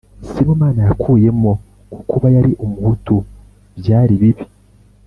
sibomana yakuyemo ko kuba yari umuhutu byari bibi